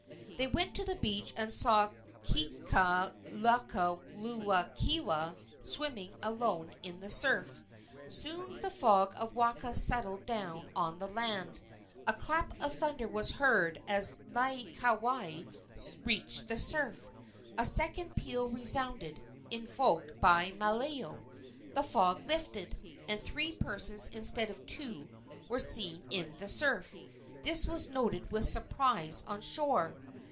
They went to the beach and saw Kekalukaluokewa swimming alone in the surf. Soon the fog of Waka settled down on the land. A clap of thunder was heard as Laieikawai reached the surf. A second peal resounded, invoked by Malio. The fog lifted, and three persons instead of two were seen in the surf. This was noted with surprise on shore.